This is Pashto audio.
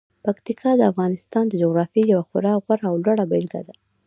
پکتیکا د افغانستان د جغرافیې یوه خورا غوره او لوړه بېلګه ده.